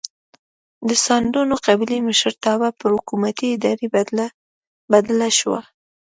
د ساندو قبیلې مشرتابه پر حکومتي ادارې بدله شوه.